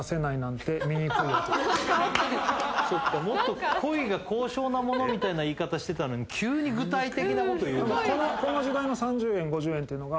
もっと恋が高尚なものみたいな言い方してたのに急に具体的なこと言う。